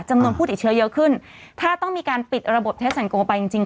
จำนวนผู้ติดเชื้อเยอะขึ้นถ้าต้องมีการปิดระบบเทสสันโกไปจริงจริง